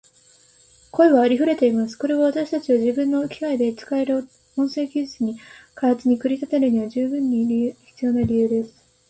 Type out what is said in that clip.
声はありふれています。これは私たちを自分の機械で使える音声技術の開発に駆り立てるには十分に必要な理由です。しかし、音声を用いたシステムを開発するには途方もない量の音声データが必要です。